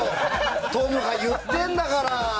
トムが言ってんだから。